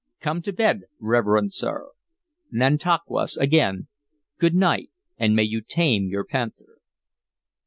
"Come to bed, reverend sir. Nantauquas, again, good night, and may you tame your panther!"